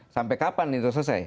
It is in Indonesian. sampai kapan itu selesai